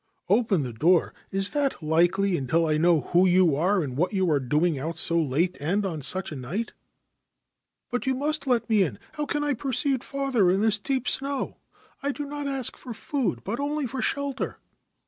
4 Open the door ! Is that likely until I know who you are and what you are doing out so late and on such a night ?' 4 But you must let me in. How can I proceed farther in this deep snow ? I do not ask for food, but only for shelter.'